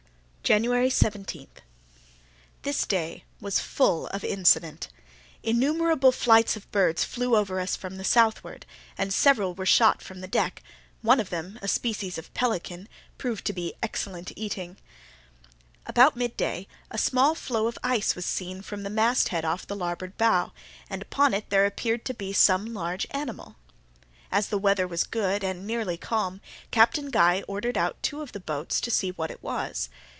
January 17.—This day was full of incident. Innumerable flights of birds flew over us from the southward, and several were shot from the deck, one of them, a species of pelican, proved to be excellent eating. About midday a small floe of ice was seen from the masthead off the larboard bow, and upon it there appeared to be some large animal. As the weather was good and nearly calm, Captain Guy ordered out two of the boats to see what it was.